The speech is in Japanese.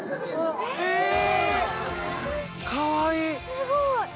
すごい！